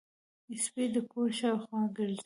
سپي د کور شاوخوا ګرځي.